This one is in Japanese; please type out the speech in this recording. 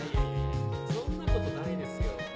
そんなことないですよ。